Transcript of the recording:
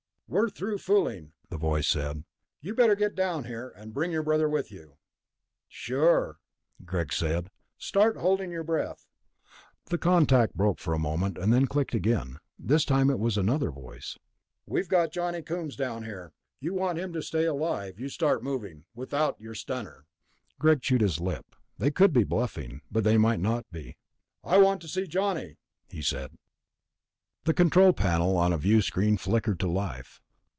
"We're through fooling," the voice said. "You'd better get down here. And bring your brother with you." "Sure," Greg said. "Start holding your breath." The contact broke for a moment, then clicked on again. This time it was another voice. "We've got Johnny Coombs down here," it said. "You want him to stay alive, you start moving. Without your stunner." Greg chewed his lip. They could be bluffing ... but they might not be. "I want to see Johnny," he said. On the control panel a viewscreen flickered to life.